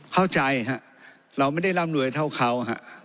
เข้าใจฮะเราไม่ได้ร่ำรวยเท่าเขาฮะ